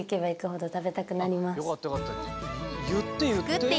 言って言って。